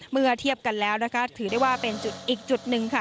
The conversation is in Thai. เมื่อเทียบกันแล้วนะคะถือได้ว่าเป็นจุดอีกจุดหนึ่งค่ะ